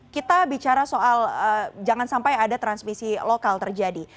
kita bicara soal jangan sampai ada transmisi lokal terjadi